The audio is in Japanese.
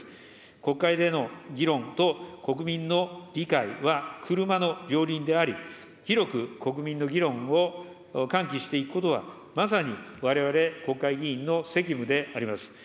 国会での議論と国民の理解は車の両輪であり、広く国民の議論を喚起していくことは、まさにわれわれ国会議員の責務であります。